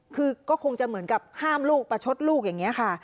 คือก็คงจะเหมือนกับห้ามลูกประชดลูกอย่างนี้ค่ะ